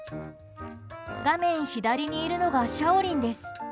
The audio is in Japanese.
画面左にいるのがシャオリンです。